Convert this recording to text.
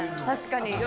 確かに。